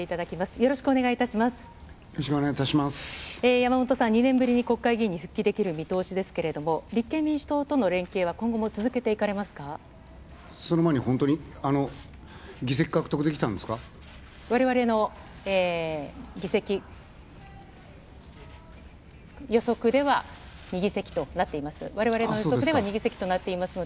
山本さん、２年ぶりに国会議員に復帰できる見通しですけれども、立憲民主党との連携は、今後も続けていかれますか。